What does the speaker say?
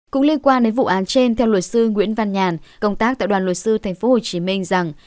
cũng liên quan đến vụ án trên theo luật sư nguyễn văn nhàn công tác tại đoàn luật sư tp hcm rằng